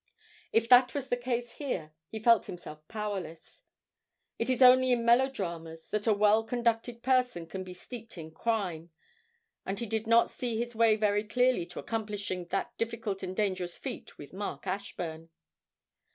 If that was the case here, he felt himself powerless. It is only in melodramas that a well conducted person can be steeped in crime, and he did not see his way very clearly to accomplishing that difficult and dangerous feat with Mark Ashburn.